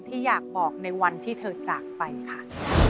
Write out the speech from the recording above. ที่อยากบอกในวันที่เธอจากไปค่ะ